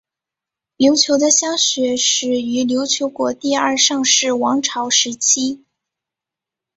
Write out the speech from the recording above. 琉球的乡学始于琉球国第二尚氏王朝时期。